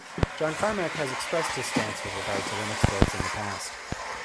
John Carmack has expressed his stance with regard to Linux builds in the past.